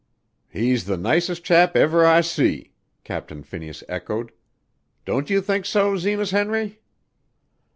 "He's the nicest chap ever I see!" Captain Phineas echoed. "Don't you think so, Zenas Henry?"